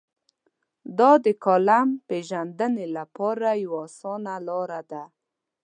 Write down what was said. دا د کالم پېژندنې لپاره یوه اسانه لار ده.